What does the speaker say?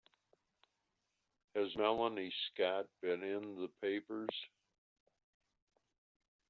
Has Melanie Scott been in the papers?